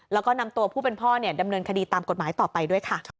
แล้วก็นำตัวผู้เป็นพ่อดำเนินคดีตามกฎหมายต่อไปด้วยค่ะ